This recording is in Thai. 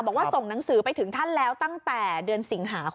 บอกว่าส่งหนังสือไปถึงท่านแล้วตั้งแต่เดือนสิงหาคม